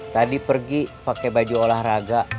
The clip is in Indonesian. tadi pergi pakai baju olahraga